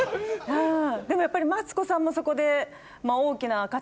でもやっぱりマツコさんもそこで。